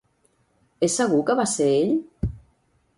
És segur que va ser ell?